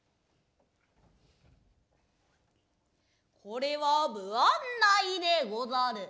これは不案内でござる。